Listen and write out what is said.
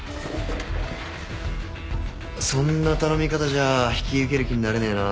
そんな頼み方じゃあ引き受ける気になれねえな。